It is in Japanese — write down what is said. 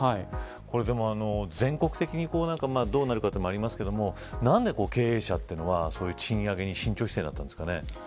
全国的にどうなるかというのもありますが何で経営者というのは賃上げに慎重姿勢になったんですか。